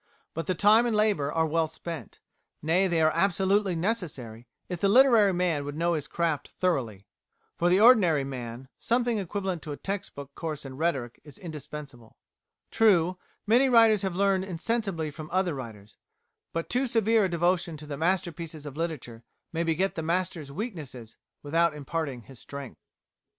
But the time and labour are well spent nay, they are absolutely necessary if the literary man would know his craft thoroughly. For the ordinary man, something equivalent to a text book course in rhetoric is indispensable. True, many writers have learned insensibly from other writers, but too severe a devotion to the masterpieces of literature may beget the master's weaknesses without imparting his strength.